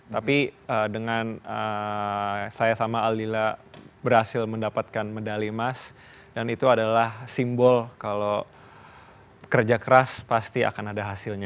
tapi dengan saya sama aldila berhasil mendapatkan medali emas dan itu adalah simbol kalau kerja keras pasti akan ada hasilnya